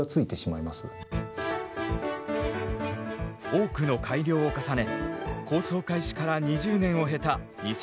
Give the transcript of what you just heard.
多くの改良を重ね構想開始から２０年を経た２０２１年。